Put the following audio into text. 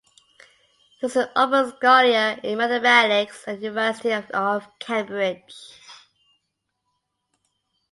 He was an open scholar in Mathematics at the University of Cambridge.